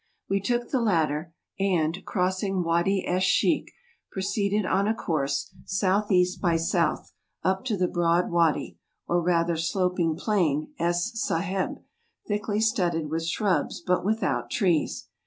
We took the latter: and, crossing Wady esh Sheikh, proceeded on a course S.E. by S., up to the broad Wady, or rather sloping plain, Es Seheb, thickly studded with shrubs, but without trees.